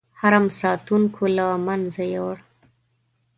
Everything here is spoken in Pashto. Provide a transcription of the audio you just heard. حرم ساتونکو له منځه یووړ.